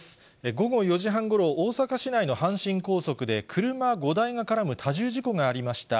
午後４時半ごろ、大阪市内の阪神高速で車５台が絡む多重事故がありました。